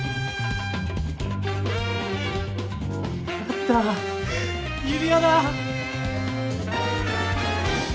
あった指輪だ！